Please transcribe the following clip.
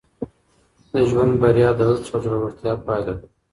د ژوند بریا د هڅو او زړورتیا پایله ده.